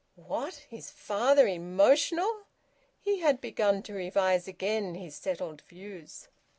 What! His father emotional! He had to begin to revise again his settled views.